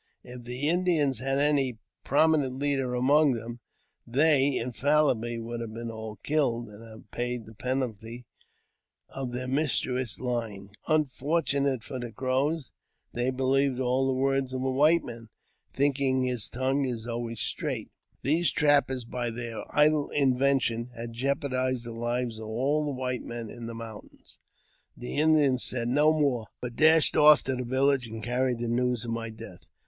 If t' Indians had had any prominent leader among them, they in* fallibly would have been all killed, and have paid the penalty of their mischievous lying. Unfortunately for the Crows, they believe all the words of a white man, thinking that his tong is always straight. These trappers, by their idle inventio had jeopardized the lives of all the white men in the mou tains. The Indians said no more, but dashed off to the village, a: carried the news of my death.